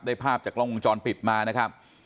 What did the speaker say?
ภาพจากกล้องวงจรปิดมานะครับ